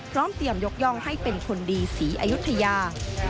พร้อมเตรียมยกย่องให้เป็นคนดีศรีอายุทยา